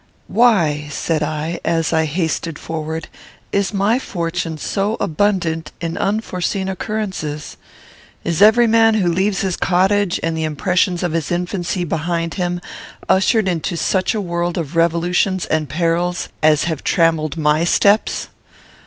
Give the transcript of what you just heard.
"Why," said I, as I hasted forward, "is my fortune so abundant in unforeseen occurrences? Is every man who leaves his cottage and the impressions of his infancy behind him ushered into such a world of revolutions and perils as have trammelled my steps?